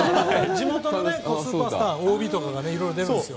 地元のスーパースターＯＢとかが出るんですよ。